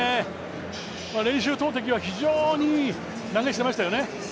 練習投てきは非常にいい投げしてましたよね。